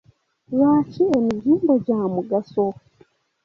Lwaki emizimbo gya mugaso?